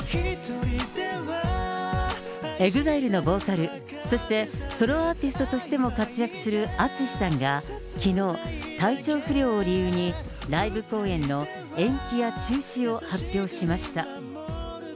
ＥＸＩＬＥのボーカル、そしてソロアーティストとしても活躍するＡＴＳＵＳＨＩさんがきのう、体調不良を理由に、ライブ公演の延期や中止を発表しました。